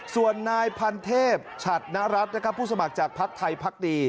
ส่วนนายพันเทพชัตนรัฐผู้สมัครจากพลักษณ์ไทยภาคดี